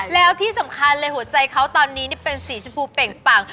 แล้วที่สำคัญเลยหัวใจเขาตอนนี้เป็นสีชมพูเป่งปัง